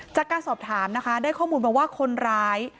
จากการสอบถามนะคะได้ข้อมูลมาว่าคนร้าย